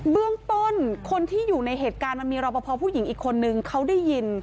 เบื้องต้นคนที่อยู่ในเหตุการณ์มันมีรอปภผู้หญิงอีกคนนึงเขาได้ยิน